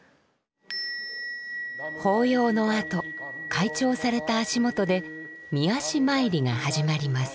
法要のあと開帳された足元でみ足参りが始まります。